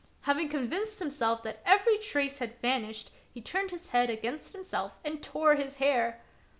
Having convinced himself that every trace had vanished, he turned his hand against himself and tore his hair.